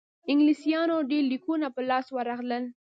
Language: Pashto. انګلیسیانو ته ډېر لیکونه په لاس ورغلل.